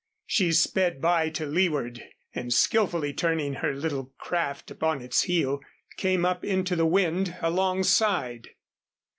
She sped by to leeward and, skilfully turning her little craft upon its heel, came up into the wind alongside.